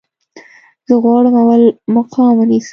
زه غواړم اول مقام ونیسم